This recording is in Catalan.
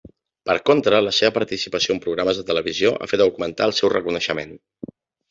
Per contra, la seva participació en programes de televisió ha fet augmentar el seu reconeixement.